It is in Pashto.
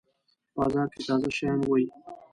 بازار کی تازه شیان وی